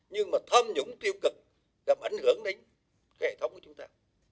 nhưng mà tham nhũng tiêu cực làm ảnh hưởng đến hệ thống của chúng ta